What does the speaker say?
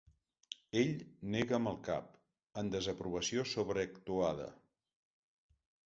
Ell nega amb el cap, en desaprovació sobreactuada.